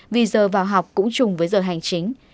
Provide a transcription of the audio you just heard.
vì giờ vào học cũng chung với giờ hành chính